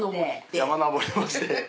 山登りもして。